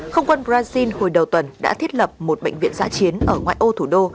không quân brazil hồi đầu tuần đã thiết lập một bệnh viện giã chiến ở ngoại ô thủ đô